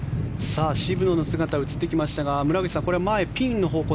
渋野の姿が映ってきましたが村口さんこれは前、ピンの方向